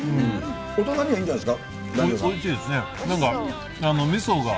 大人にはいいんじゃないですか。